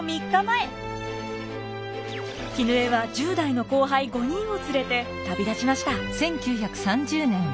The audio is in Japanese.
絹枝は１０代の後輩５人を連れて旅立ちました。